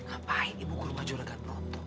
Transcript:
apa yang kamu lakukan juragan